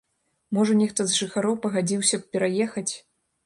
Можа, нехта з жыхароў пагадзіўся б пераехаць.